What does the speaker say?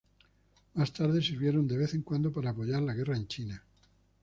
Más tarde sirvieron de vez en cuando para apoyar la guerra en China.